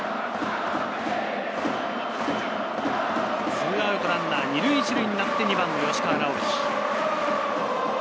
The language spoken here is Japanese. ２アウトランナー２塁１塁になって２番・吉川尚輝。